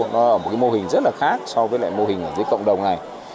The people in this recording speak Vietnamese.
nó là một mô hình rất là khác so với mô hình ở dưới cộng đồng này